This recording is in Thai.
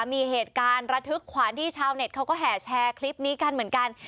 มีเหตุการณ์ระทึกขวานที่ชาวเน็ตเขาก็แห่แชร์คลิปนี้กันเหมือนกัน